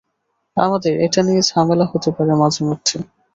আমাদের এটা নিয়ে ঝামেলা হতে পারে মাঝে মধ্যে।